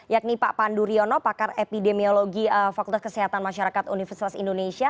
yakni pak pandu riono pakar epidemiologi fakultas kesehatan masyarakat universitas indonesia